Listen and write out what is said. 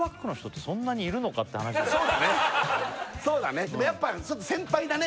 ただそうだねそうだねでもやっぱ先輩だね